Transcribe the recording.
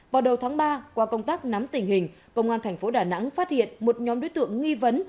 vào đầu tháng ba qua công tác nắm tình hình công an thành phố đà nẵng phát hiện một nhóm đối tượng nghi vấn